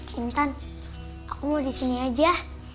intan aku mau di sini aja